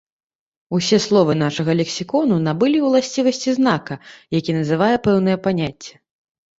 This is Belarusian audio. Усе словы нашага лексікону набылі ўласцівасці знака, які называе пэўнае паняцце.